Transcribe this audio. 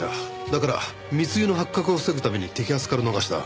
だから密輸の発覚を防ぐために摘発から逃した。